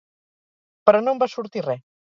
Però no em va sortir res.